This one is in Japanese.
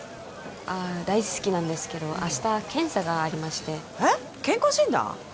ああ大好きなんですけど明日検査がありましてえっ健康診断？